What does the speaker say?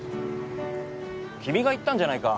君が言ったんじゃないか。